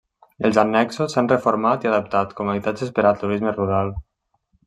Els annexos s’han reformat i adaptat com a habitatges per turisme rural.